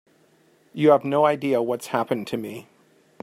You have no idea what's happened to me.